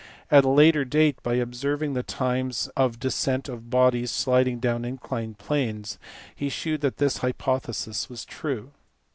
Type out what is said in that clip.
At a later date, by observing the times of descent of bodies sliding down inclined planes, he shewed that this hypothesis was true.